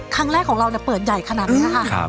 ครั้งแรกของเราเปิดใหญ่ขนาดนี้ค่ะ